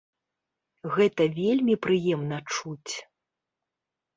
Гэта вельмі прыемна чуць.